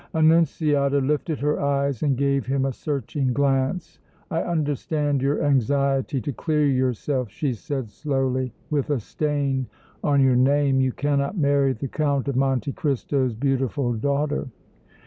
Annunziata lifted her eyes and gave him a searching glance. "I understand your anxiety to clear yourself," she said, slowly. "With a stain on your name you cannot marry the Count of Monte Cristo's beautiful daughter!"